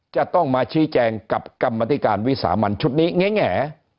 จะต้องมาชี้แจงกับกรรมธิการวิสามันชุดนี้แง่